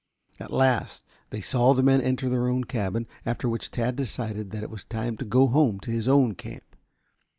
At last they saw the men enter their own cabin, after which Tad decided that it was time to go home to his own camp.